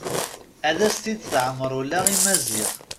Ad as-t-id-tɛemmer ula i Maziɣ.